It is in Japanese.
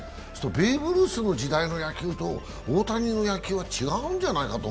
ベーブ・ルースの時代の野球と大谷の野球は違うんじゃないかと。